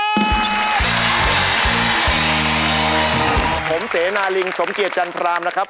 ผมเสนาลิงสมเกียจจันทรามนะครับ